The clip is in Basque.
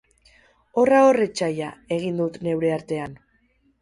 Horra hor etsaia, egin dut neure artean.